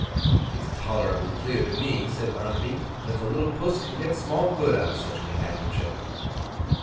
'It's tolerably clear to me,' said Bounderby, 'that the little puss can get small good out of such companionship.